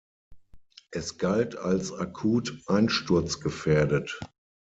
Es galt als akut einsturzgefährdet.